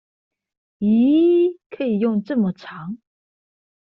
疑！可以用這麼長